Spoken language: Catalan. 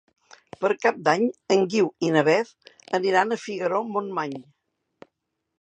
Per Cap d'Any en Guiu i na Beth aniran a Figaró-Montmany.